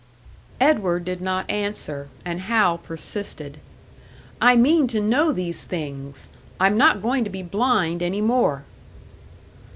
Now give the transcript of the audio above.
Edward did not answer, and Hal persisted, "I mean to know these things! I'm not going to be blind any more!"